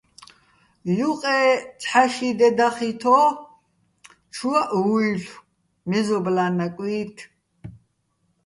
ჲუყე ცჰ̦ა-ში დე დახითო́, ჩუაჸ ვუჲლ'ო̆ მეზობლა́ ნაკვი́თ.